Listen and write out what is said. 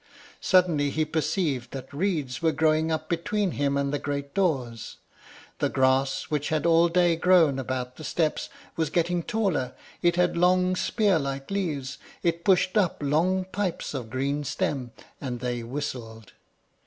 ] Suddenly he perceived that reeds were growing up between him and the great doors: the grass, which had all day grown about the steps, was getting taller; it had long spear like leaves, it pushed up long pipes of green stem, and they whistled.